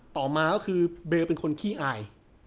ต่อมาก็คือเบลเป็นคนขี้อาย